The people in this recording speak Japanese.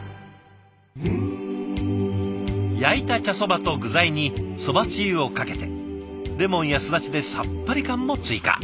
焼いた茶そばと具材にそばつゆをかけてレモンやすだちでさっぱり感も追加。